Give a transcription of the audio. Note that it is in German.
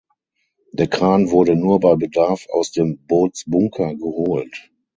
Der Kran wurde nur bei Bedarf aus dem Bootsbunker geholt.